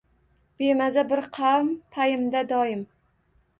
Bemaza bir qavm payimda doim